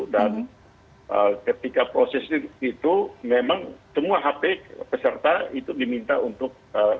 dan ketika proses itu memang semua hp peserta itu diminta untuk